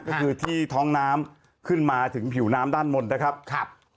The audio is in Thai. ก็คือที่ท้องน้ำขึ้นมาถึงผิวน้ำด้านบนนะครับครับ